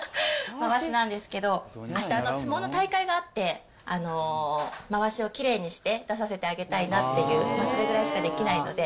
まわしなんですけど、あした相撲の大会があって、まわしをきれいにして出させてあげたいなっていう、そのぐらいしかできないので。